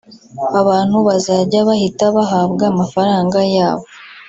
abantu bazajya bahita bahabwa amafaranga yabo